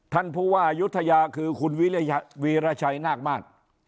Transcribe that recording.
ท่านผู้ว่าอายุทยาคือคุณวีรชัยนาคมาศ